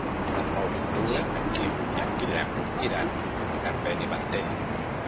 El nou d'octubre en Quim i en Guillem iran a Benimantell.